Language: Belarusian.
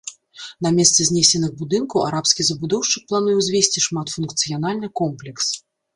На месцы знесеных будынкаў арабскі забудоўшчык плануе ўзвесці шматфункцыянальны комплекс.